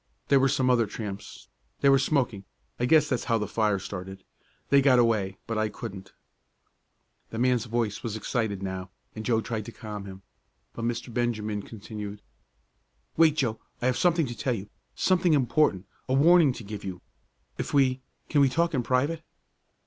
There were some other tramps. They were smoking I guess that's how the fire started. They got away but I couldn't." The man's voice was excited now, and Joe tried to calm him. But Mr. Benjamin continued. "Wait, Joe, I have something to tell you something important a warning to give you. If we can we talk in private?"